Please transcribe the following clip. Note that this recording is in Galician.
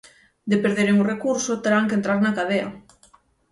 De perderen o recurso, terán que entrar na cadea.